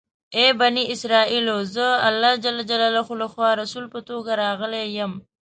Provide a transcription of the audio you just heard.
ای بني اسرایلو! زه الله جل جلاله لخوا رسول په توګه راغلی یم.